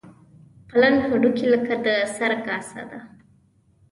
پلن هډوکي لکه د سر کاسه ده.